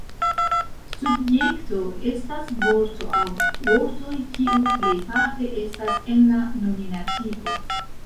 Subjekto estas vorto aŭ vortoj kiu plejparte estas en la nominativo.